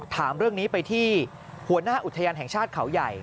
ถามเรื่องนี้ไปที่หัวหน้าอุทยานแห่งชาติเขาใหญ่